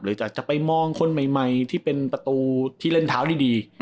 จะไปมองคนใหม่ที่เป็นประตูที่เล่นเท้าดี